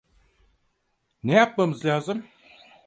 Ne yapmamız lazım?